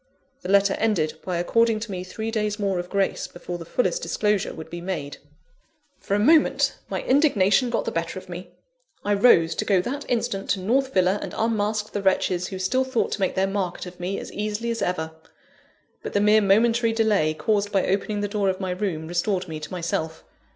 The letter ended by according to me three days more of grace, before the fullest disclosure would be made. For a moment, my indignation got the better of me. I rose, to go that instant to North Villa and unmask the wretches who still thought to make their market of me as easily as ever. But the mere momentary delay caused by opening the door of my room, restored me to myself.